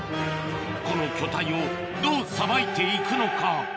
この巨体をどうさばいていくのか？